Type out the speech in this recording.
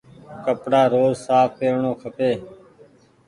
ڪپڙآ روز ساڦ پيرڻو کپي۔